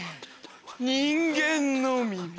人間の耳。